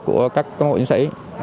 của các công hội chiến sĩ